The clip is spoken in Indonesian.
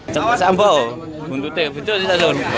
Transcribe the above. coba sambal buntutik buntutik